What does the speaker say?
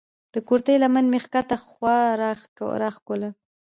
د کورتۍ لمن مې کښته خوا راکښوله.